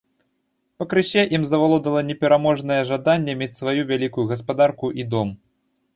Пакрысе ім завалодвала непераможнае жаданне мець сваю вялікую гаспадарку і дом.